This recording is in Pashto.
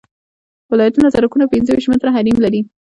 ولایتي سرکونه پنځه ویشت متره حریم لري